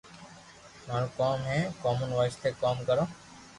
ماروڪوم ھي ڪومن وائس تي ڪوم ڪروُ